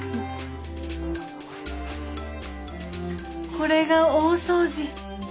これが大掃除。